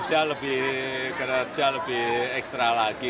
ya kerja lebih ekstra lagi